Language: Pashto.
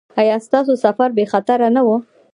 ایا ستاسو سفر بې خطره نه و؟